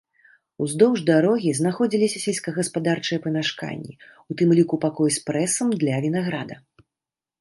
Уздоўж дарогі знаходзіліся сельскагаспадарчыя памяшканні, у тым ліку пакой з прэсам для вінаграда.